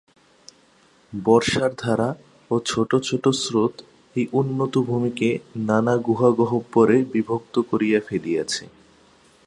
বর্ষার ধারা ও ছোটো ছোটো স্রোত এই উন্নত ভূমিকে নানা গুহাগহ্বরে বিভক্ত করিয়া ফেলিয়াছে।